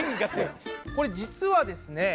これ実はですね